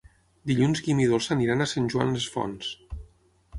Dilluns en Guim i na Dolça aniran a Sant Joan les Fonts.